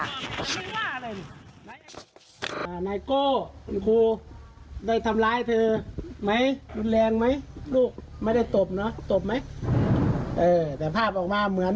เหมือนหลานเพราะว่าสอนมาตั้งแต่ประคมแล้ว